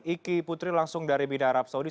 iki putri langsung dari bina arab saudi